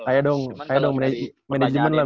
kayaknya kalau di manajemen lah